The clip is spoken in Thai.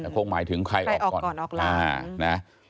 คงหมายถึงใครออกก่อนใครออกก่อนออกละ